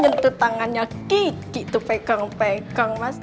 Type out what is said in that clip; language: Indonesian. mantul tangan ya gigi tuh pegang pegang mas